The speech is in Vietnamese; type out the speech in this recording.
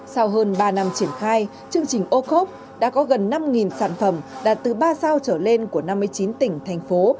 sau hơn ba năm triển khai chương trình ô cốp đã có gần năm sản phẩm đạt từ ba sao trở lên của năm mươi chín tỉnh thành phố